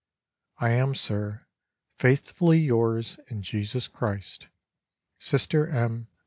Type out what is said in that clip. I am, sir, faithfully yours in Jesus Christ, SISTER M.